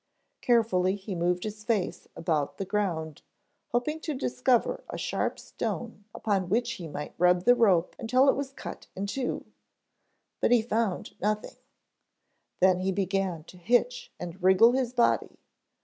Carefully he moved his face about the ground hoping to discover a sharp stone upon which he might rub the rope until it was cut in two, but he found nothing, then he began to hitch and wriggle his body.